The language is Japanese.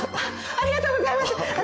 ありがとうございます！